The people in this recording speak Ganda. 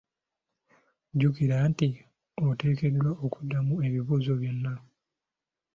Jjukira nti oteekeddwa okuddamu ebibuuzo byonna.